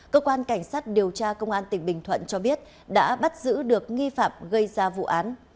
cơ quan cảnh sát điều tra công an tỉnh bình thuận cho biết đã bắt giữ được nghi phạm gây ra vụ án